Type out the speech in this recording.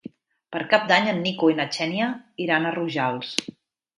Per Cap d'Any en Nico i na Xènia iran a Rojals.